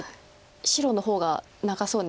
白の方が長そうに。